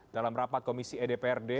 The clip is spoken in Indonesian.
dalam rapat komisi edprd